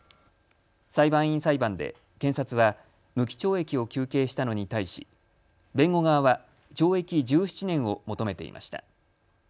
裁判員裁判で検察は無期懲役を求刑したのに対し弁護側は懲役１７年を求めていました。